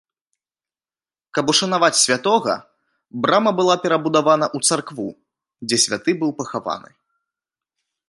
Каб ушанаваць святога, брама была перабудавана ў царкву, дзе святы быў пахаваны.